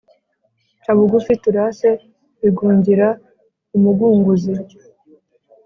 Ca bugufi turase Bigungira-Umugunguzi.